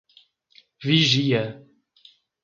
Vigia